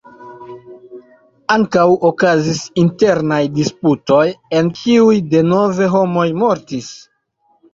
Ankaŭ okazis internaj disputoj, en kiuj denove homoj mortis.